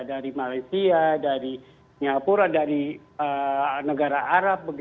dari malaysia dari singapura dari negara arab